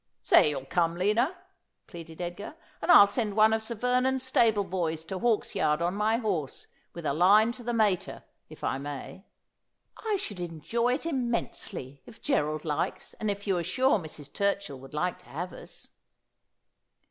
' Say you'll come, Lina,' pleaded Edgar, ' and I'll send one of Sir Vernon's stable boys to Hawksyard on my horse with a line to the mater, if I may.' ' I should enjoy it immensely — if Gerald likes, and if you are sure Mrs. Turchill would like to have us.'